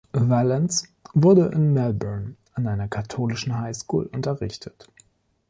Valance wurde in Melbourne an einer katholischen High School unterrichtet.